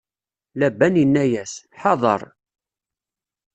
Laban inna-yas: Ḥadeṛ!